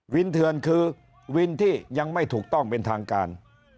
เถื่อนคือวินที่ยังไม่ถูกต้องเป็นทางการ